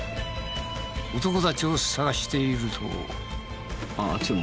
男たちを捜していると。